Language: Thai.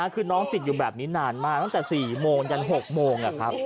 คือน้องติดอยู่แบบนี้นานมากตั้งแต่๔โมงยัน๖โมง